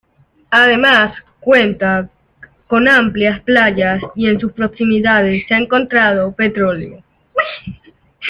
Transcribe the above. Además cuenta con amplias playas y en sus proximidades se ha encontrado petróleo.